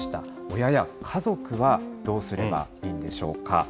親や家族はどうすればいいんでしょうか。